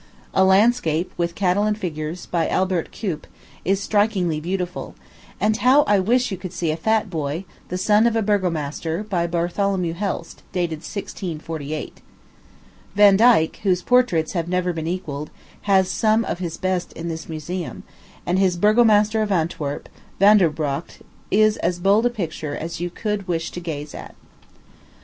A Landscape, with cattle and figures, by Albert Cuyp, is strikingly beautiful; and how I wish you could see a Fat Boy, the son of a burgomaster, by Bartholomew Helst, dated 1648. Vandyke, whose portraits have never been equalled, has some of his best in this museum; and his Burgomaster of Antwerp, Vander Brocht, is as bold a picture as you could wish to gaze at.